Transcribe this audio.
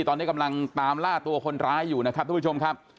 ตอนนี้กำลังตามล่าตัวคนร้ายอยู่นะครับทุกผู้ชมครับ